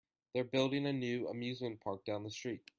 They're building a new amusement park down the street.